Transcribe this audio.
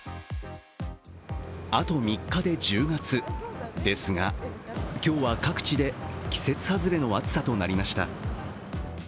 あと３日で１０月ですが、今日は各地で季節外れの暑さとなりました。